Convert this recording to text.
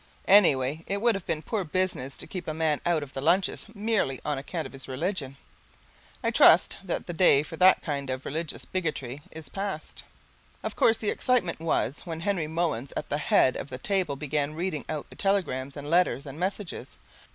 Anyway it would have been a poor business to keep a man out of the lunches merely on account of his religion. I trust that the day for that kind of religious bigotry is past. Of course the excitement was when Henry Mullins at the head of the table began reading out the telegrams and letters and messages.